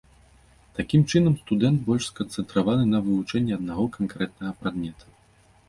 Такім чынам, студэнт больш сканцэнтраваны на вывучэнні аднаго канкрэтнага прадмета.